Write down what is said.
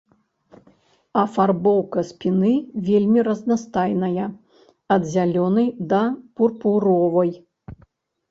Афарбоўка спіны вельмі разнастайная, ад зялёнай, да пурпуровай.